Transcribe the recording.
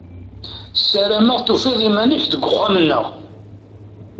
Ssarameɣ tufiḍ iman-ik deg uxxam-nneɣ.